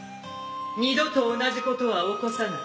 二度と同じことは起こさない。